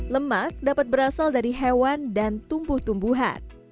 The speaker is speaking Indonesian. lemak dapat berasal dari hewan dan tumbuh tumbuhan